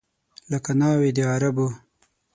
لکه ناوې د عربو